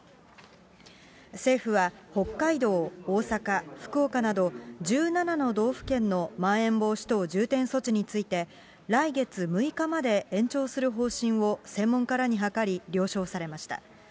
政府は、北海道、大阪、福岡など、１７の道府県のまん延防止等重点措置について、来月６日まで延長する方針を専門家らに諮り、了承されました。